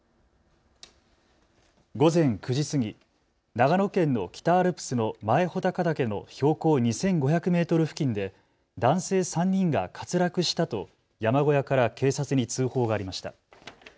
午前９時過ぎ、長野県の北アルプスの前穂高岳の標高２５００メートル付近で男性３人が滑落したと山小屋から警察に通報がありました。